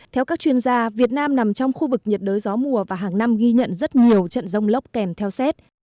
theo các chuyên gia việt nam nằm trong khu vực nhiệt đới gió mùa và hàng năm ghi nhận rất nhiều trận rông lốc kèm theo xét